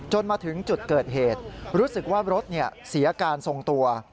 มาถึงจุดเกิดเหตุรู้สึกว่ารถเสียการทรงตัว